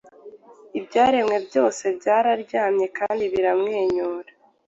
Ibyaremwe byose byararyamye kandi biramwenyura.